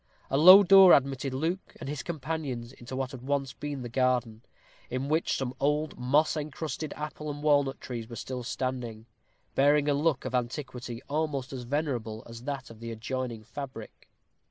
A low door admitted Luke and his companions into what had once been the garden, in which some old moss encrusted apple and walnut trees were still standing, bearing a look of antiquity almost as venerable as that of the adjoining fabric.